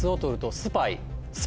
スパイ！